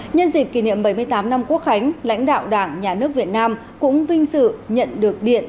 nhân dịp kỷ niệm bảy mươi tám năm quốc khánh lãnh đạo đảng nhà nước việt nam cũng vinh dự nhận được điện